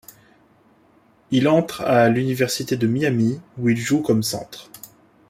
Il entre à l'université de Miami où il joue comme centre.